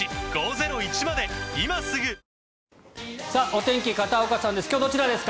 お天気、片岡さんです。